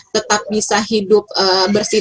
tetap bisa hidup bersih